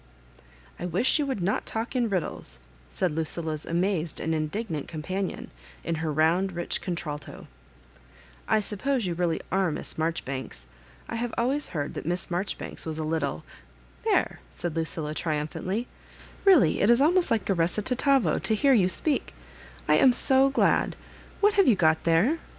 "I wish you would not talk in riddles," said Lucilla's amazed and indignant oompanion, in her round rich oontralto. I suppose you really Digitized by VjOOQIC HISS HABJORIBAKES. 15 are Miss MaijoribaDks. I have alwajrs beard that Miss Marjoribanks was a little "♦* There I" said Lacill% triumphantly; "really it is almost like a recitativo to hear you speak. I am so glad. What have you got there?